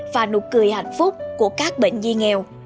và nụ cười hạnh phúc của các bệnh nhi nghèo